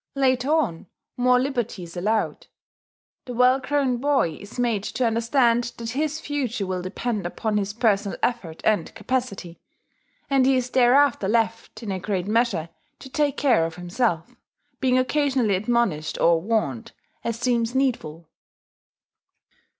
Later on, more liberty is allowed. The well grown boy is made to understand that his future will depend upon his personal effort and capacity; and he is thereafter left, in a great measure, to take care of himself, being occasionally admonished or warned, as seems needful.